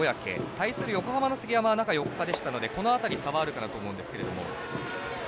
対する横浜の杉山は中４日でしたのでこの辺り差はあるかなと思うんですけど。